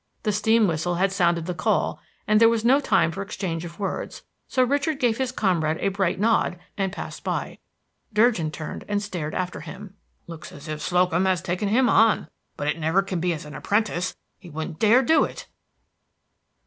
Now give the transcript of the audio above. The steam whistle had sounded the call, and there was no time for exchange of words; so Richard gave his comrade a bright nod and passed by. Durgin turned and stared after him. "Looks as if Slocum had taken him on; but it never can be as apprentice; he wouldn't dare do it."